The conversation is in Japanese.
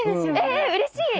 えうれしい。